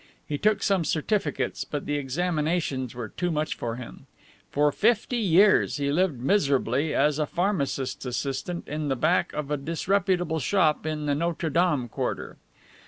He took some certificates, but the examinations were too much for him. For fifty years he lived miserably as a pharmacist's assistant in the back of a disreputable shop in the Notre Dame quarter.